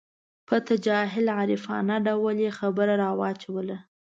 په تجاهل عارفانه ډول یې خبره راواچوله.